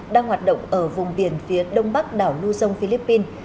đang hoạt động ở vùng biển phía đông bắc đảo nu dông philippines